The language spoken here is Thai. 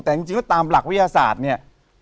แต่จริงว่าตามหลักวิทยาศาสตร์เนี่ย